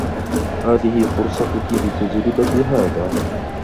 هذه فرصتكِ لتجربة هذا.